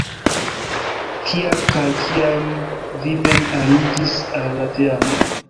Kial kaj kiam vi mem aliĝis al la teamo?